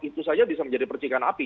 itu saja bisa menjadi percikan api